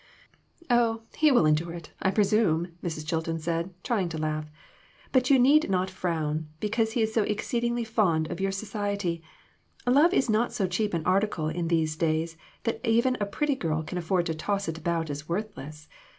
"Oh, he will endure it, I presume," Mrs. Chil ton said, trying to laugh ;" but you need not frown, because he is extremely fond of your soci ety. Love is not so cheap an article in these days that even a pretty girl can afford to toss it about as worthless.